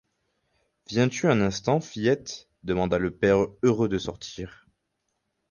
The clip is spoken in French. Viens-tu un instant, fillette? demanda le père, heureux de sortir.